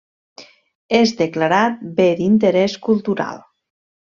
És declarat Bé d'Interés Cultural.